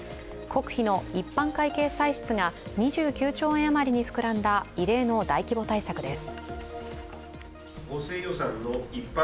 国費の一般会計歳出が２９兆円余りに膨らんだ異例の大規模対策です。